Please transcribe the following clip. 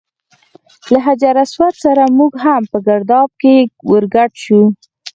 له حجر اسود سره موږ هم په ګرداب کې ور ګډ شو.